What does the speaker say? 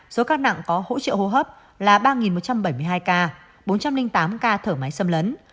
số ca nặng có hỗ trợ hô hấp là ba một trăm bảy mươi hai ca bốn trăm linh tám ca thở máy xâm lấn